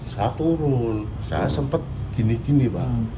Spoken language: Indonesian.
saat turun saya sempet gini gini pak